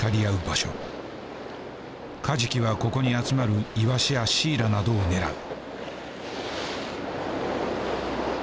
カジキはここに集まるイワシやシイラなどを狙う。